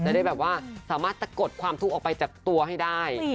ได้แบบว่าสามารถสะกดความทุกข์ออกไปจากตัวให้ได้